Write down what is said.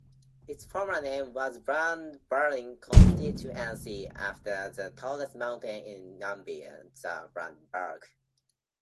Its former name was "Brandberg constituency", after the tallest mountain in Namibia, the Brandberg.